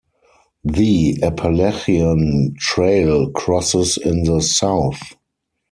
The Appalachian Trail crosses in the south.